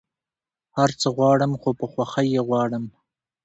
هر څه غواړم خو په خوښی يي غواړم